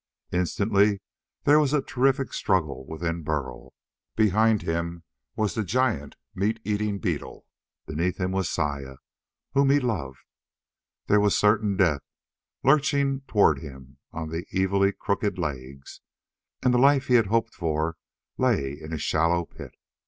Instantly there was a terrific struggle within Burl. Behind him was the giant meat eating beetle; beneath him was Saya whom he loved. There was certain death lurching toward him on evilly crooked legs and the life he had hoped for lay in a shallow pit.